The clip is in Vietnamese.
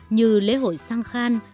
như lễ hội sang khan